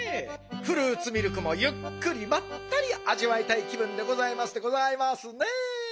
フルーツミルクもゆっくりまったりあじわいたい気ぶんでございますでございますね。